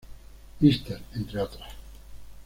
Mister", entre otras.